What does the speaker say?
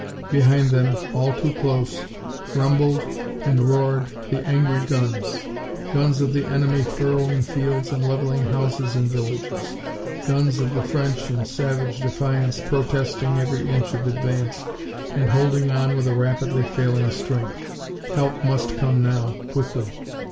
Behind them, all too close, rumbled and roared the angry guns guns of the enemy furrowing fields and leveling houses and villages; guns of the French in savage defiance protesting every inch of advance and holding on with a rapidly failing strength. Help must come now, quickly.